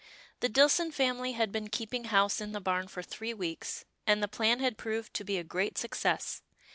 The Dillson family had been keeping house in the barn for three weeks, and the plan had proved to be a great success.